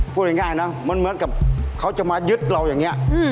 พูดง่ายนะมันเหมือนกับเขาจะมายึดเราอย่างนี้